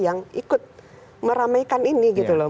yang ikut meramaikan ini gitu loh